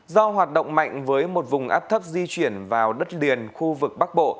do hoạt động mạnh với một vùng áp thấp di chuyển vào đất liền khu vực bắc bộ